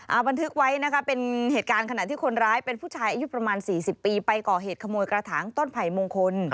เอาบันทึกไว้นะคะเป็นเหตุการณ์ขณะที่คนร้ายเป็นผู้ชายอายุประมาณสี่สิบปีไปก่อเหตุขโมยกระถางต้นไผ่มงคล